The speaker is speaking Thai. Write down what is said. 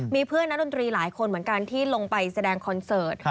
มีเพื่อนนักดนตรีหลายคนเหมือนกันที่ลงไปแสดงคอนเสิร์ต